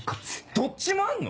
どっちもあんの？